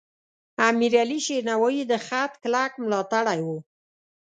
امیر علیشیر نوایی د خط کلک ملاتړی و.